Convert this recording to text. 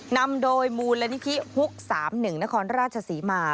นำโดยมูลนิธิฮุก๓๑นครราชศรีมา